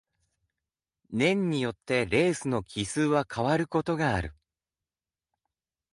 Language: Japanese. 年によってレースの帰趨は変わることがある。